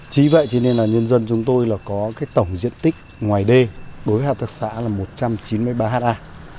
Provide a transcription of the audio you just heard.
chí vậy thì nên là nhân dân chúng tôi là có cái tổng diện tích ngoài đê đối hợp thực xã là một trăm chín mươi ba ha